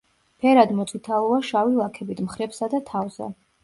ფერად მოწითალოა შავი ლაქებით მხრებსა და თავზე.